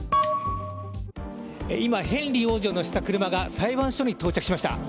今、ヘンリー王子を乗せた車が裁判所に到着しました。